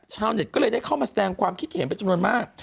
ชาวเน็ตก็เลยได้เข้ามาแสดงความคิดเห็นเป็นจำนวนมาก